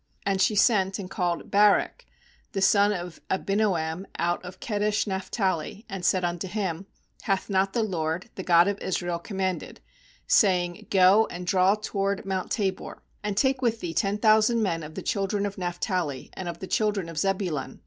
6And she sent and called Barak the son of Abinoam out of Kedesh naphtaH, and said unto him: 'Hath not the LORD, the God of Israel, commanded, saying: Go and draw toward mount Tabor, and take with thee ten thousand men of the children of Naphtali and of the children of Zebulun?